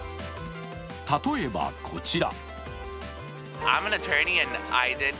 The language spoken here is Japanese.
例えば、こちら。